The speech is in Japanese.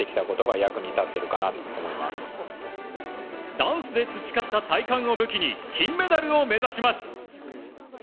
ダンスで培った体幹を武器に金メダルを目指します！